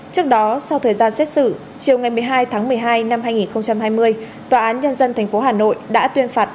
trước đó sau thời gian xét xử chiều ngày một mươi hai tháng một mươi hai năm hai nghìn hai mươi tòa án nhân dân tp hà nội đã tuyên phạt